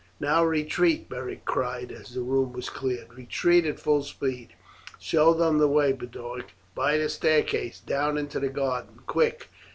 "Now retreat!" Beric cried as the room was cleared; "retreat at full speed. Show them the way, Boduoc, by the staircase down into the garden. Quick!